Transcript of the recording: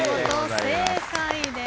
正解です。